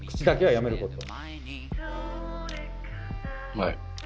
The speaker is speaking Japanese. はい。